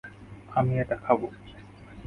আমি এটা খাবো।